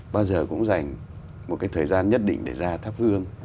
bao giờ cũng dành một cái thời gian nhất định để ra thắp hương